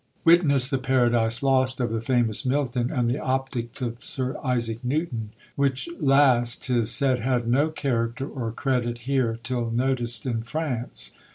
Witness the 'Paradise Lost' of the famous Milton, and the Optics of Sir Isaac Newton, which last, 'tis said, had no character or credit here till noticed in France.